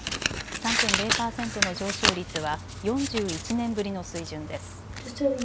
３．０％の上昇率は４１年ぶりの水準です。